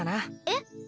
えっ？